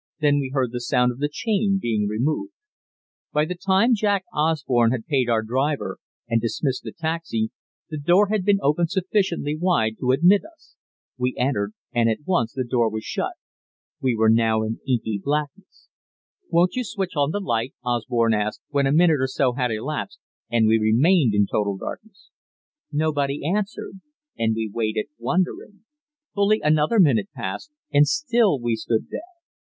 Then we heard the sound of the chain being removed. By the time Jack Osborne had paid our driver, and dismissed the taxi, the door had been opened sufficiently wide to admit us. We entered, and at once the door was shut. We were now in inky blackness. "Won't you switch on the light?" Osborne asked, when a minute or so had elapsed, and we remained in total darkness. Nobody answered, and we waited, wondering. Fully another minute passed, and still we stood there.